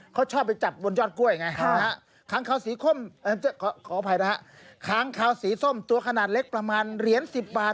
เขาชอบไปจับบนยอดกล้วยไงครับขางขาวสีส้มตัวขนาดเล็กประมาณเหรียญ๑๐บาท